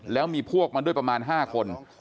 แล้วมีพวกมาด้วยประมาณ๕คน